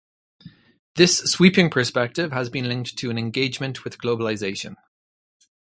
This sweeping perspective has been linked to an engagement with globalization.